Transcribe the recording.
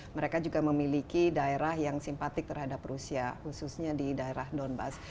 karena mereka juga memiliki daerah yang simpatik terhadap rusia khususnya di daerah donbass